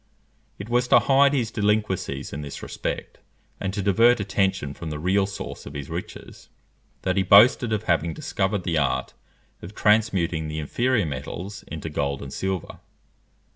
It was to hide his delinquencies in this respect, and to divert attention from the real source of his riches, that he boasted of having discovered the art of transmuting the inferior metals into gold and silver.